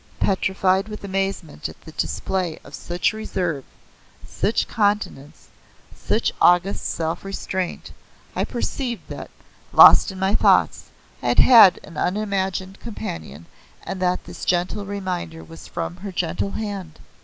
Petrified with amazement at the display of such reserve, such continence, such august self restraint, I perceived that, lost in my thoughts, I had had an unimagined companion and that this gentle reminder was from her gentle hand.